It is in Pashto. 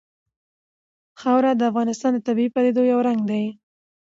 خاوره د افغانستان د طبیعي پدیدو یو رنګ دی.